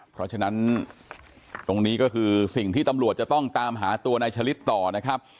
เพราะฉะนั้นตรงนี้ก็คือสิ่งที่ตำรวจจะต้องตามหาตัวนายชะลิดต่อนะครับ